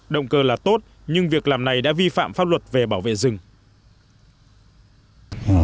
động cơ là tốt nhưng việc làm này đã vi phạm pháp luật về bảo vệ rừng